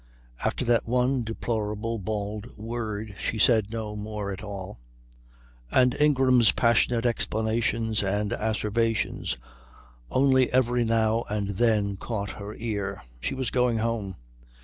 After that one deplorable bald word she said no more at all; and Ingram's passionate explanations and asseverations only every now and then caught her ear. She was going home.